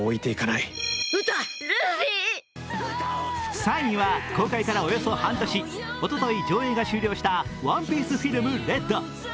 ３位は公開からおよそ半年、おととい上映が終了した「ＯＮＥＰＩＥＣＥＦＩＬＭＲＥＤ」。